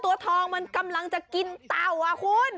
เฮ้ยเฮ้ยเฮ้ยเฮ้ยเฮ้ย